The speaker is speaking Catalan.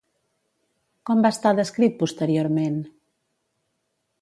Com va estar descrit posteriorment?